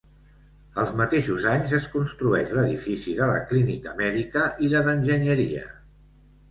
Als mateixos anys es construeix l'edifici de la Clínica Mèdica i la d'Enginyeria.